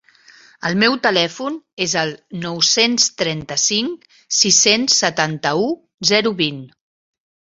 El meu telèfon és el nou-cents trenta-cinc sis-cents setanta-u zero vint.